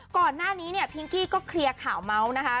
ก่อนหน้านี้เนี่ยพิงกี้ก็เคลียร์ข่าวเมาส์นะคะ